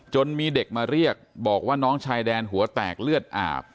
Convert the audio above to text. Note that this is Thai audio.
มีเด็กมาเรียกบอกว่าน้องชายแดนหัวแตกเลือดอาบ